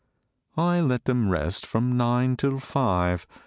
I let them rest from nine till five.